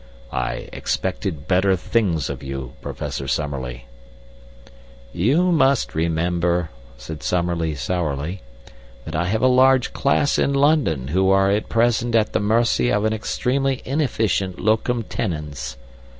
I expected better things of you, Professor Summerlee." "You must remember," said Summerlee, sourly, "that I have a large class in London who are at present at the mercy of an extremely inefficient locum tenens.